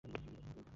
এতেই হয়ে যাবে।